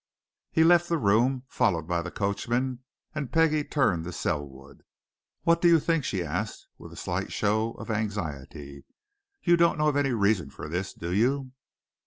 He left the room, followed by the coachman, and Peggie turned to Selwood. "What do you think?" she asked, with a slight show of anxiety. "You don't know of any reason for this, do you?"